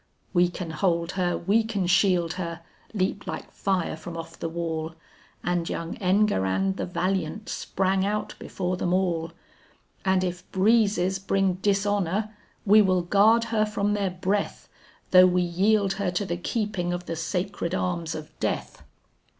"We can hold her, we can shield her," leaped like fire from off the wall, And young Enguerrand the valiant, sprang out before them all. "And if breezes bring dishonor, we will guard her from their breath, Though we yield her to the keeping of the sacred arms of Death."